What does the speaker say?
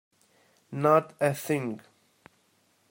Not a thing.